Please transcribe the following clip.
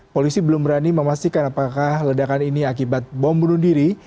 polisi belum berani memastikan apakah ledakan ini akibat bom bunuh diri